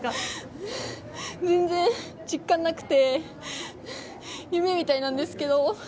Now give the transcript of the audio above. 全然実感なくて夢みたいなんですけど。